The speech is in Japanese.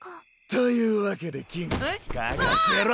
というわけでキング嗅がせろ！